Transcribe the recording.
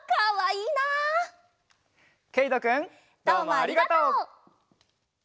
どうもありがとう！